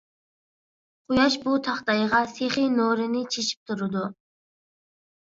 قۇياش بۇ تاختايغا سېخى نۇرىنى چېچىپ تۇرىدۇ.